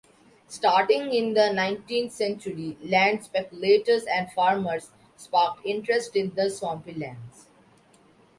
Starting in the nineteenth-century land speculators and farmers sparked interest in the swampy lands.